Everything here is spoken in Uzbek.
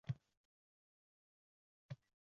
Fasl shu kuylarni ko‘ribmi ravo